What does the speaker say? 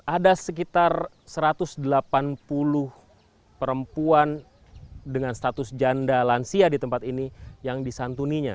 ada sekitar satu ratus delapan puluh perempuan dengan status janda lansia di tempat ini yang disantuninya